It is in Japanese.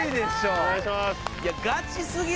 お願いします。